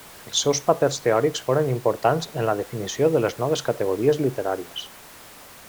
Els seus papers teòrics foren importants en la definició de les noves categories literàries.